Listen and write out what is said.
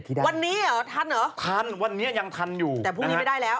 ตอนนี้ไม่ค่อยได้หยิงแล้ว